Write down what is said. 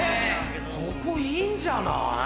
ここいいんじゃない？